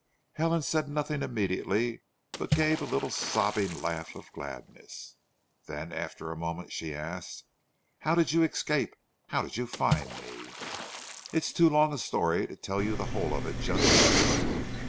Helen said nothing immediately, but gave a little sobbing laugh of gladness. Then after a moment she asked, "How did you escape? How did you find me?" "It is too long a story to tell you the whole of it just now.